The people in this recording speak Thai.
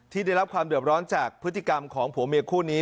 ได้รับความเดือบร้อนจากพฤติกรรมของผัวเมียคู่นี้